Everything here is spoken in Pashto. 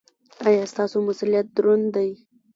ایا ستاسو مسؤلیت دروند دی؟